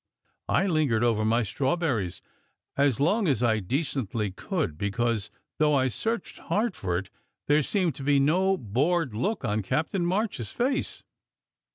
I lingered over my strawberries as long as I decently could, because, though I searched hard for it, there seemed to be no bored look on Captain March s face.